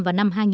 bộ này cho rằng